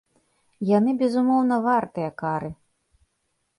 Яны безумоўна вартыя кары.